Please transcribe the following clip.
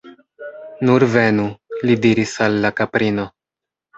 Nur venu! li diris al la kaprino.